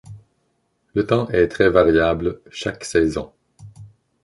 Le temps est très variable chaque saison.